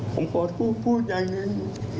ผมขอโทษพูดอย่างหนึ่ง